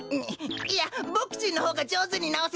いやボクちんのほうがじょうずになおせます！